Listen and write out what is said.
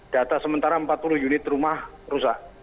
data sementara empat puluh unit rumah rusak